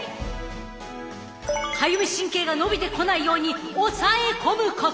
かゆみ神経が伸びてこないように抑え込むこと！